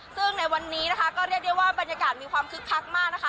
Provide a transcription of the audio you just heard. ซึ่งในวันนี้นะคะก็เรียกได้ว่าบรรยากาศมีความคึกคักมากนะคะ